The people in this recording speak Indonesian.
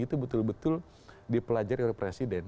itu betul betul dipelajari oleh presiden